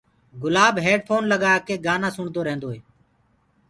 گُلاب هيڊ ڦون لگآڪي گآنآ سُڻدو ريهندوئي